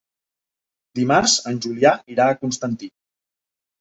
Dimarts en Julià irà a Constantí.